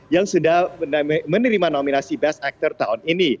yang sudah menerima nominasi best actor tahun ini